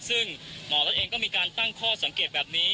ซึ่งหมอรัฐเองก็มีการตั้งข้อสังเกตแบบนี้